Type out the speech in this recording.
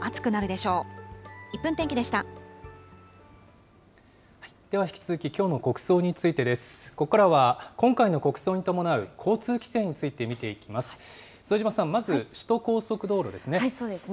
では引き続き、きょうの国葬についてです。ここからは、今回の国葬に伴う交通規制について見ていきます。